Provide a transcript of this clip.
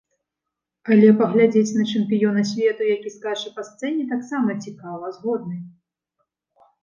Але паглядзець на чэмпіёна свету, які скача па сцэне, таксама цікава, згодны.